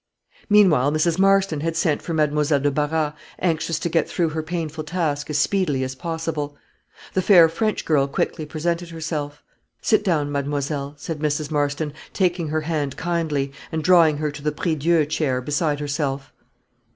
Meanwhile Mrs. Marston had sent for Mademoiselle de Barras, anxious to get through her painful task as speedily as possible. The fair French girl quickly presented herself. "Sit down, mademoiselle," said Mrs. Marston, taking her hand kindly, and drawing her to the prie dieu chair beside herself.